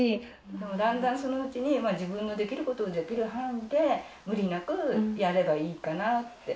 でもだんだんそのうちに自分のできることをできる範囲で、無理なくやればいいかなって。